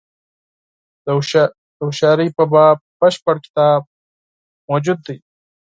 د هوښیاري په باب بشپړ کتاب موجود دی.